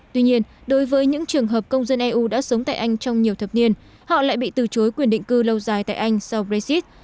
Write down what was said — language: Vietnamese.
tuy nhiên đối với những trường hợp công dân eu đã sống tại anh trong nhiều thập niên họ lại bị từ chối quyền định cư lâu dài tại anh sau brexit